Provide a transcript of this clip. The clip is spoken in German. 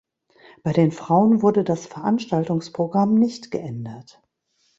Bei den Frauen wurde das Veranstaltungsprogramm nicht geändert.